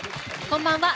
こんばんは。